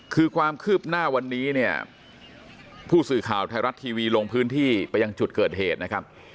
คือความคืบหน้าวันนี้เนี่ยผู้สื่อข่าวไทยรัฐทีวีลงพื้นที่ไปยังจุดเกิดเหตุนะครับ